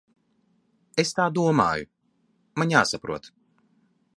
Es tā domāju. Man jāsaprot.